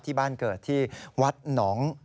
ที่บ้านเกิดที่วัดหนอง